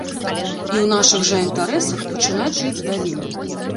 І ў нашых жа інтарэсах пачынаць жыць далей.